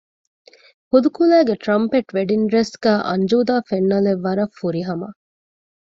ހުދުކުލައިގެ ޓްރަންޕެޓް ވެޑިންގ ޑްރެސް ގައި އަންޖޫދާ ފެންނަލެއް ވަރަށް ފުރިހަމަ